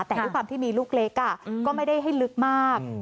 แต่ด้วยความที่มีลูกเล็กก็ไม่ได้ให้ลึกมาก